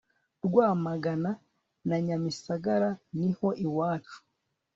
rwamagana na nyamisagara niho iwacu